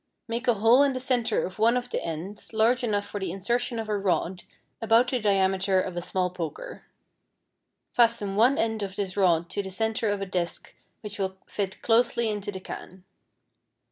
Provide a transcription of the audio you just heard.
Make a hole in the center of one of the ends large enough for the insertion of a rod about the diameter of a small poker. Fasten one end of this rod to the center of a disc which will fit closely into the can.